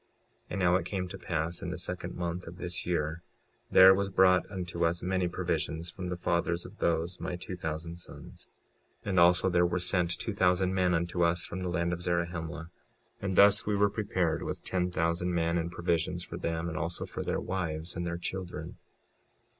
56:27 And now it came to pass in the second month of this year, there was brought unto us many provisions from the fathers of those my two thousand sons. 56:28 And also there were sent two thousand men unto us from the land of Zarahemla. And thus we were prepared with ten thousand men, and provisions for them, and also for their wives and their children.